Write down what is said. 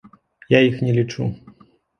Я іх не лічу.